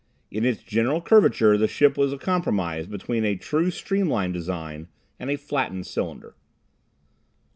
In its general curvature the ship was a compromise between a true streamline design and a flattened cylinder.